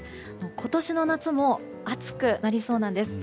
今年の夏も暑くなりそうなんです。